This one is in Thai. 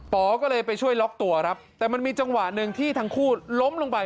๋อก็เลยไปช่วยล็อกตัวครับแต่มันมีจังหวะหนึ่งที่ทั้งคู่ล้มลงไป